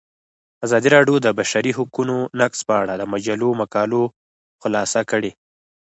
ازادي راډیو د د بشري حقونو نقض په اړه د مجلو مقالو خلاصه کړې.